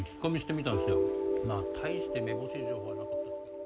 まあ大してめぼしい情報はなかったっすけど。